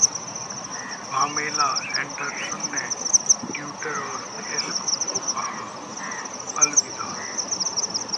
Pamela Anderson ने Twitter और Facebook को कहा अलविदा